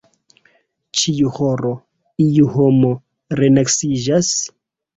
ĉiu horo, iu homo renaskiĝas?